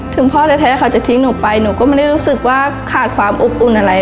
พ่อแท้เขาจะทิ้งหนูไปหนูก็ไม่ได้รู้สึกว่าขาดความอบอุ่นอะไร